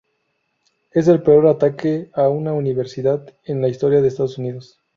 Es el peor ataque a una universidad en la historia de Estados Unidos.